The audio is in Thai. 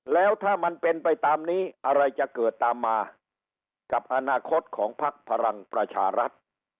แล้วถ้ามันเป็นไปตามนี้อะไรจะเกิดตามมากับอนาคตของพักพลังประชารัฐ